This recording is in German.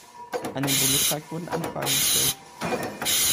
An den Bundestag wurden Anfragen gestellt.